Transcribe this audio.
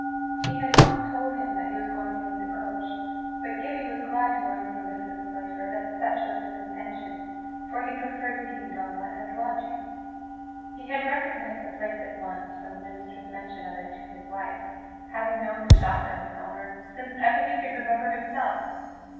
He had not told him that he was going to meet the coach, but Gibbie was glad to learn from Mrs. Sclater that such was his intention, for he preferred meeting Donal at his lodging. He had recognized the place at once from the minister's mention of it to his wife, having known the shop and its owner since ever he could remember himself.